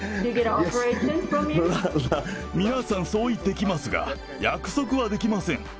皆さんそう言ってきますが、約束はできません。